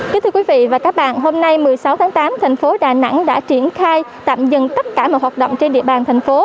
kính thưa quý vị và các bạn hôm nay một mươi sáu tháng tám thành phố đà nẵng đã triển khai tạm dừng tất cả mọi hoạt động trên địa bàn thành phố